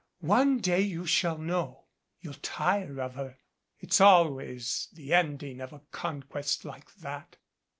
One day you shall know. You'll tire of her. It's always the ending of a conquest like that."